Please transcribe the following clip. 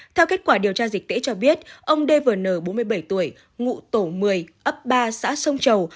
theo kết quả điều tra dịch tễ cho biết ông dvn bốn mươi bảy tuổi ngụ tổ một mươi ấp ba xã sông chầu